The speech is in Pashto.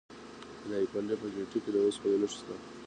د دایکنډي په ګیتي کې د وسپنې نښې شته.